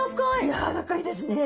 やわらかいですね。